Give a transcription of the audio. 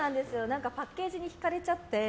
パッケージに引かれちゃって。